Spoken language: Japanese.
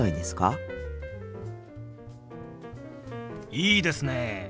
いいですね！